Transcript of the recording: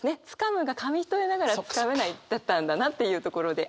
「掴む」が紙一重ながら掴めないだったんだなっていうところで。